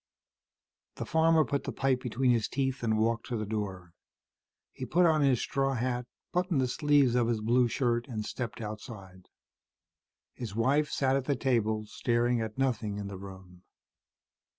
The farmer put the pipe between his teeth and walked to the door. He put on his straw hat, buttoned the sleeves of his blue shirt and stepped outside. His wife sat at the table, staring at nothing in the room.